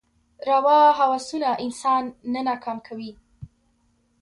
روا هوسونه انسان نه ناکام کوي.